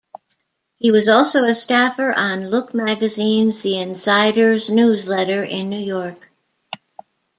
He was also a staffer on "Look Magazine"'s "The Insider's Newsletter" in New York.